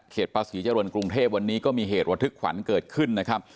เขตปาศรีจรวรณกรุงเทพฯวันนี้ก็มีเหตุวันทึกขวัญเกิดขึ้นนะครับ